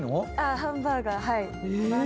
ハンバーガーはい。